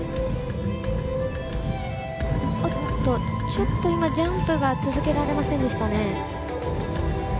ちょっと今、ジャンプが続けられませんでしたね。